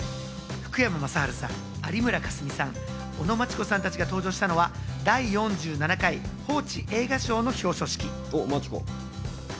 福山雅治さん、有村架純さん、尾野真千子さんたちが登場したのは、第４７回報知映画賞の表彰式。